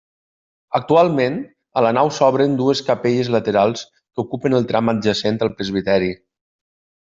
Actualment, a la nau s'obren dues capelles laterals que ocupen el tram adjacent al presbiteri.